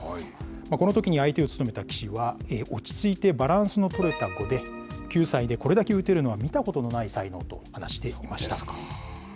このときに相手を務めた棋士は、落ち着いてバランスの取れた碁で、９歳でこれだけ打てるのは、見たことのない才能と話していました。